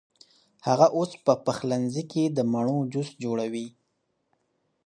هغه اوس په پخلنځي کې د مڼو جوس جوړوي.